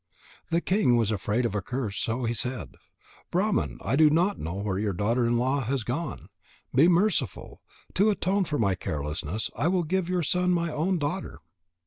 The king was afraid of a curse, so he said: "Brahman, I do not know where your daughter in law has gone. Be merciful. To atone for my carelessness, I will give your son my own daughter."